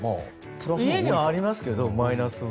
家にはありますけどマイナスは。